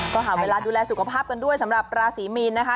ก็หาเวลาดูแลสุขภาพกันด้วยสำหรับราศีมีนนะคะ